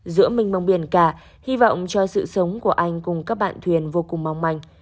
giữa minh mông biển cả hy vọng cho sự sống của anh cùng các bạn thuyền vô cùng mong manh